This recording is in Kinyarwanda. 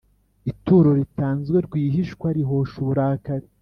Ituro ritanzwe rwihishwa rihosha uburakari